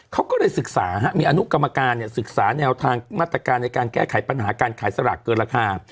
เขาก็เลยศึกษามีอนุกรรมการศึกษาแนวทางมาตรการในการแก้ไขปัญหาการขายสลากเกินราคา